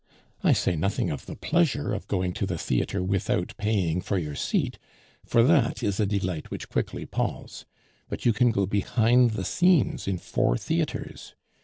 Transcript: I say nothing of the pleasure of going to the theatre without paying for your seat, for that is a delight which quickly palls; but you can go behind the scenes in four theatres.